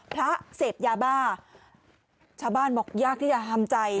เสพยาบ้าชาวบ้านบอกยากที่จะทำใจ